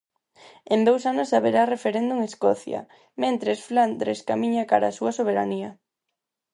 En dous anos haberá referendo en Escocia, mentres Flandres camiña cara á súa soberanía.